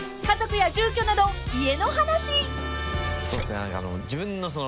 ［家族や住居など家の話］